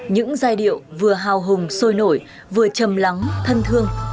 những giai điệu vừa hào hùng sôi nổi vừa chầm lắng thân thương